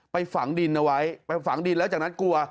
ฝังดินเอาไว้ไปฝังดินแล้วจากนั้นกลัว